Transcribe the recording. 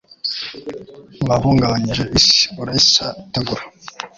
wahungabanyije isi, urayisatagura